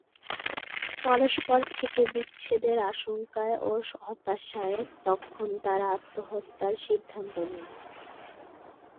পরস্পর থেকে বিচ্ছেদের আশঙ্কায় ও হতাশায় তখন তারা আত্মহত্যার সিদ্ধান্ত নিল।